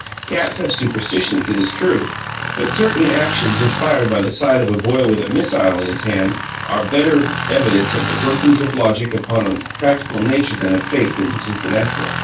Cats have superstitions, it is true; but certain actions inspired by the sight of a boy with a missile in his hand are better evidence of the workings of logic upon a practical nature than of faith in the supernatural.